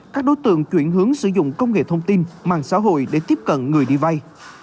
các đối tượng chuyển hướng sử dụng công nghệ thông tin mạng xã hội để tiếp cận người đi vay